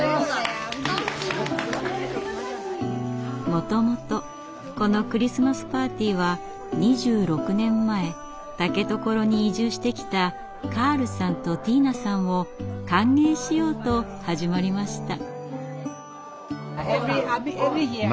もともとこのクリスマスパーティーは２６年前竹所に移住してきたカールさんとティーナさんを歓迎しようと始まりました。